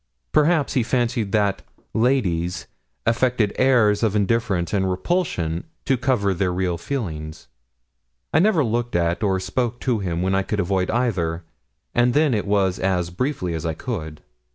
Perhaps he fancied that 'ladies' affected airs of indifference and repulsion to cover their real feelings. I never looked at or spoke to him when I could avoid either, and then it was as briefly as I could.